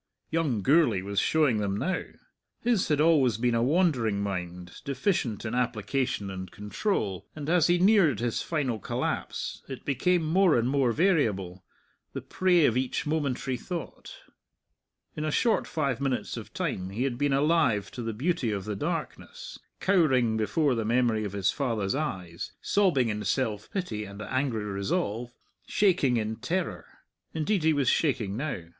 Young Gourlay was showing them now. His had always been a wandering mind, deficient in application and control, and as he neared his final collapse it became more and more variable, the prey of each momentary thought. In a short five minutes of time he had been alive to the beauty of the darkness, cowering before the memory of his father's eyes, sobbing in self pity and angry resolve, shaking in terror indeed he was shaking now.